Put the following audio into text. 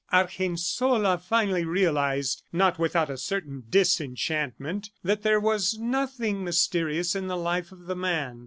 Argensola finally realized, not without a certain disenchantment, that there was nothing mysterious in the life of the man.